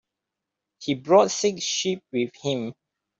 He brought six sheep with him.